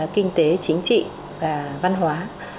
kinh tế chính trị và văn hóa